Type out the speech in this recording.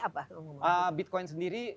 apa bitcoin sendiri